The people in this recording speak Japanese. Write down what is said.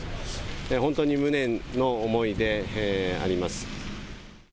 本当に無念の思いであります。